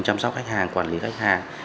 chăm sóc khách hàng quản lý khách hàng